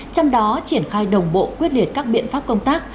trong đó triển khai đồng bộ quyết liệt các biện pháp công tác